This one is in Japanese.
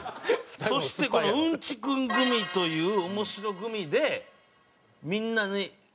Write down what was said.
そしてこのうんちくんグミという面白グミでみんなに爆笑を取り。